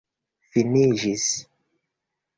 finiĝis